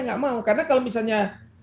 nggak mau karena kalau misalnya